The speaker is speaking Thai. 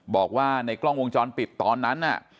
บอกว่าในกล้องวงจรปิดตอนนั้นน่ะ